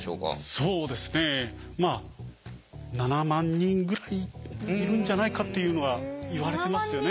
そうですねまあ７万人ぐらいいるんじゃないかっていうのはいわれてますよね。